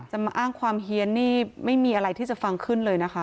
มาอ้างความเฮียนนี่ไม่มีอะไรที่จะฟังขึ้นเลยนะคะ